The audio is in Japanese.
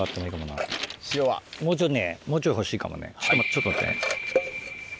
ちょっと待ってね。